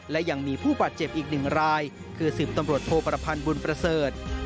และยังมีผู้บาดเจ็บอีกหนึ่งรายคือ๑๐ตำรวจโทประพันธ์บุญประเสริฐ